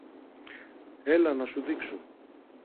Έλα να σου δείξω.